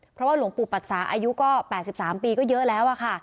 เพราะว่าหลวงปู่ปรักษาอายุก็๘๓ปีก็เยอะแล้วค่ะ